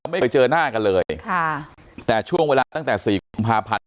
ไม่เคยเจอหน้ากันเลยแต่ช่วงเวลาตั้งแต่๔คมพาพันธุ์